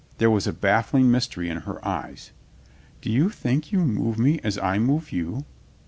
There was a baffling mystery in her eyes. "Do you think you move me as I move you?"